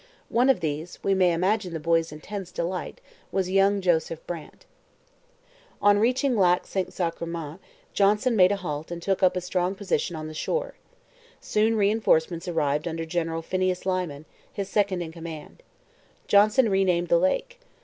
One of these we may imagine the boy's intense delight was young Joseph Brant. On reaching Lac St Sacrement Johnson made a halt and took up a strong position on the shore. Soon reinforcements arrived under General Phineas Lyman, his second in command. Johnson re named the lake.